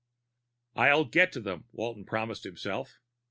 I'll get to them, Walton promised himself.